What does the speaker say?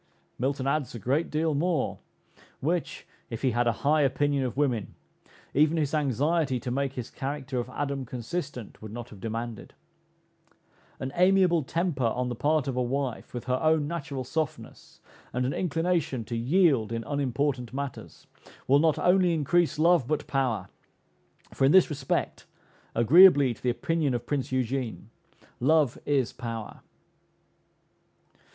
Milton adds a great deal more, which, if he had a high opinion of woman, even his anxiety to make his character of Adam consistent would not have demanded. An amiable temper on the part of a wife, with her own natural softness, and an inclination to yield in unimportant matters, will not only increase love, but power; for in this respect, agreeably to the opinion of Prince Eugene, love is power.